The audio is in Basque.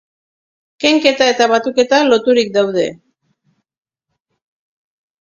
Kenketa eta batuketa loturik daude.